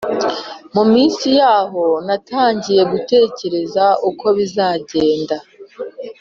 Mu minsi yaho natangiye gutekereza uko bizagenda